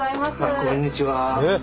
あこんにちは。